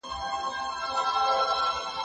زه واښه نه راوړم،